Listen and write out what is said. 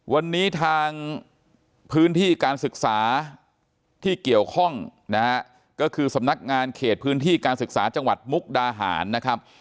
วันนี้ทางพื้นที่การศึกษาที่เกี่ยวข้องนะฮะก็คือสำนักงานเขตพื้นที่การศึกษาจังหวัดมุกดาหารนะครับ